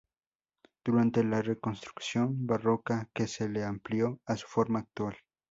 Durante la reconstrucción barroca que se le amplió a su forma actual.